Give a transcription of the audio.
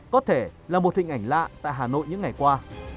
có thể là một hình ảnh lạ tại hà nội những ngày qua